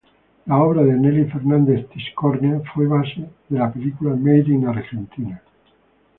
La obra de Nelly Fernández Tiscornia fue base de la película Made in Argentina.